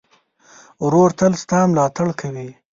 ورور تل ستا ملاتړ کوي.